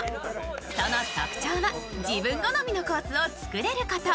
その特徴は自分好みのコースを作れること。